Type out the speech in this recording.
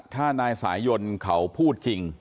ถ้านายสายยนเขาพูดจริง